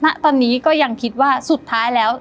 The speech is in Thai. ณตอนนี้ก็ยังคิดว่าสุดท้ายแล้ว